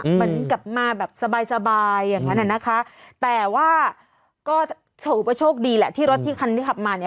เหมือนกลับมาแบบสบายสบายอย่างนั้นอ่ะนะคะแต่ว่าก็ถือว่าโชคดีแหละที่รถที่คันที่ขับมาเนี่ย